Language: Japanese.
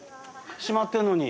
閉まってんのに。